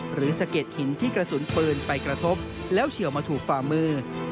สะเก็ดหินที่กระสุนปืนไปกระทบแล้วเฉียวมาถูกฝ่ามือ